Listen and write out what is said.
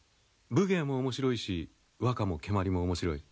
武芸も面白いし和歌も蹴鞠も面白い。